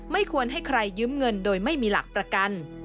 ควรให้ใครยืมเงินโดยไม่มีหลักประกัน